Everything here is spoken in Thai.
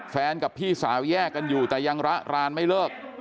กับพี่สาวแยกกันอยู่แต่ยังระรานไม่เลิก